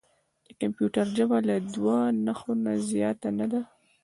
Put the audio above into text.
د کمپیوټر ژبه له دوه نښو نه زیاته نه ده.